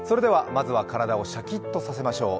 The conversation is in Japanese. まずは体をシャキッとさせましょう。